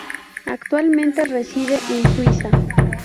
Actualmente reside en Suiza.